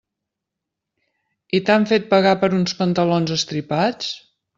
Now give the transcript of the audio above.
I t'han fet pagar per uns pantalons estripats?